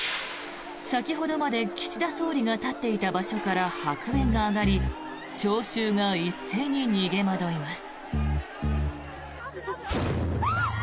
先ほどまで岸田総理が立っていた場所から白煙が上がり聴衆が一斉に逃げ惑います。